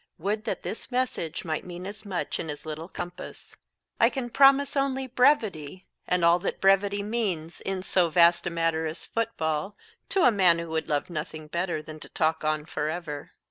Would that this message might mean as much in as little compass. I can promise only brevity and all that brevity means in so vast a matter as football to a man who would love nothing better than to talk on forever.